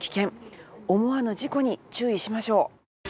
思わぬ事故に注意しましょう。